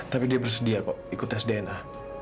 tapi dia bersedia kok ikut tes dna